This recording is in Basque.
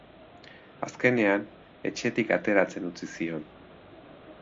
Azkenean, etxetik ateratzen utzi zion.